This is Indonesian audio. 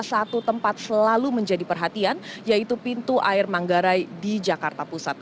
satu tempat selalu menjadi perhatian yaitu pintu air manggarai di jakarta pusat